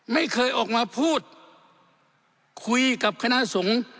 ไม่เคยออกมาพูดคุยกับคณะสงฆ์